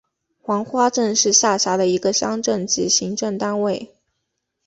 黄花镇是下辖的一个乡镇级行政单位。